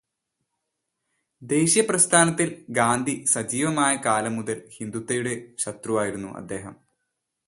ദേശീയപ്രസ്ഥാനത്തില് ഗാന്ധി സജീവമായ കാലം മുതല് ഹിന്ദുത്വയുടെ ശത്രുവായിരുന്നു അദ്ദേഹം.